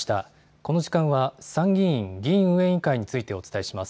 この時間は参議院議院運営委員会についてお伝えします。